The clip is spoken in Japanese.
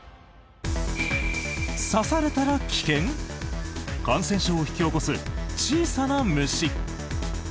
刺されたら危険？感染症を引き起こす小さな虫。